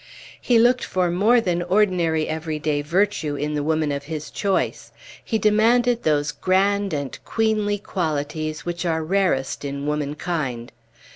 He looked for more than ordinary every day virtue in the woman of his choice; he demanded those grand and queenly qualities which are rarest in woman kind.